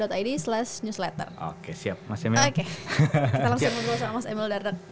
kita langsung nunggu sama mas emil dardeg